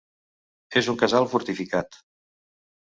És un casal fortificat.